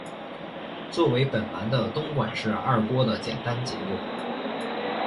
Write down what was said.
作为本丸的东馆是二廓的简单结构。